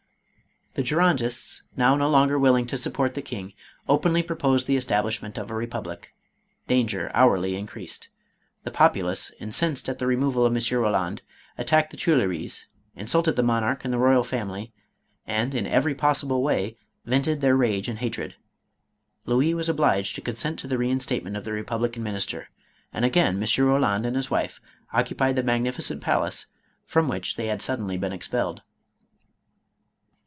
The Girondists, now no longer willing to support the king, openly proposed the establishment of a republic. Danger hourly increased. The populace incensed at MADAME ROLAND. 505 the removal of M. Eoland, attacked the Tuileries, in sulted the monarch and the royal family, and in every possible way vented their rage and hatred. Louis was obliged to consent to the reinstatement of the republi can minister, and again M. Eoland and his wife occu pied the magnificent palace from which they had sud denly been expelled.